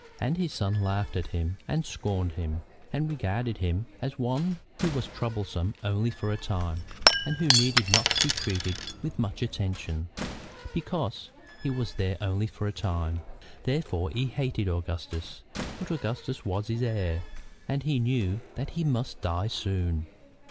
And his son laughed at him and scorned him, and regarded him as one who was troublesome only for a time, and who need not be treated with much attention, because he was there only for a time. Therefore he hated Augustus. But Augustus was his heir, and he knew that he must die soon.